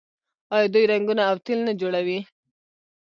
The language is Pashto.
آیا دوی رنګونه او تیل نه جوړوي؟